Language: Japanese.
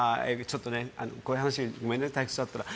こういう話ごめんね退屈だったら。